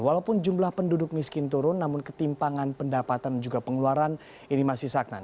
walaupun jumlah penduduk miskin turun namun ketimpangan pendapatan dan juga pengeluaran ini masih sagnan